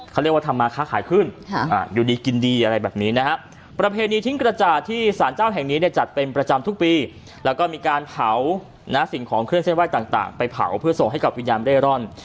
เขาเรียกว่าทำมาค่าขายขึ้นอยู่ดีกินดีอะไรแบบนี้นะฮะประเพณีทิ้งกระจ่าที่สารเจ้าแห่งนี้เนี่ยจัดเป็นประจำทุกปีแล้วก็มีการเผาสิ่งของเครื่องเส้นไหว้ต่างไปเผาเพื่อส่งให้กับวิญญาณเร่ร่อน